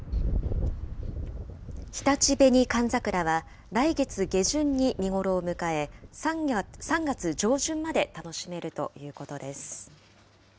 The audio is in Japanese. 日立紅寒桜は来月下旬に見頃を迎え、３月上旬まで楽しめるということです。